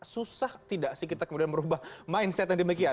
susah tidak sih kita kemudian merubah mindset yang demikian